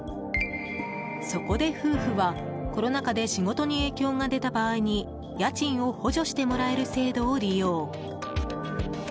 そこで夫婦は、コロナ禍で仕事に影響が出た場合に家賃を補助してもらえる制度を利用。